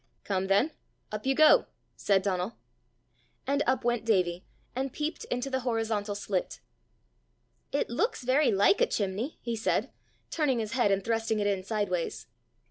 "Come then; up you go!" said Donal. And up went Davie, and peeped into the horizontal slit. "It looks very like a chimney," he said, turning his head and thrusting it in sideways.